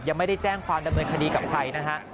ยังไม่ได้แจ้งความดำเนินคดีกับใครนะฮะ